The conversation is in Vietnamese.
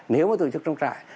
nếu mà tổ chức trong trại